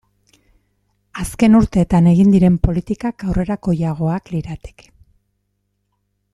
Azken urteetan egin diren politikak aurrerakoiagoak lirateke.